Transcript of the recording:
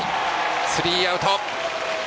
スリーアウト。